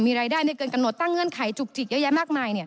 มีรายได้ไม่เกินกำหนดตั้งเงื่อนไขจุกจิกเยอะแยะมากมาย